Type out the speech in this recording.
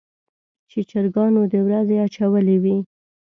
چې چرګانو د ورځې اچولې وي.